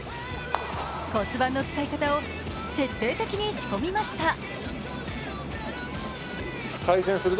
骨盤の使い方を徹底的に仕込みました。